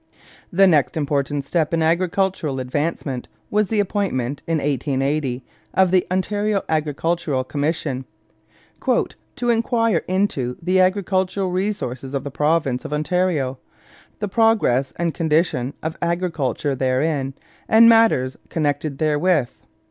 The next important step in agricultural advancement was the appointment in 1880 of the Ontario Agricultural Commission 'to inquire into the agricultural resources of the Province of Ontario, the progress and condition of agriculture therein and matters connected therewith.'